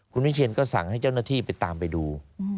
คุณวิเชียนก็สั่งให้เจ้าหน้าที่ไปตามไปดู